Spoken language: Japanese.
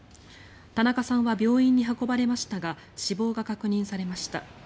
田中さんは病院に運ばれましたが死亡が確認されました。